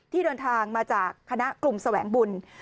เดินทางมาจากคณะกลุ่มแสวงบุญ